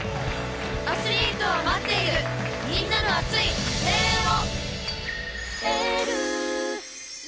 アスリートは待っているみんなの熱い声援を！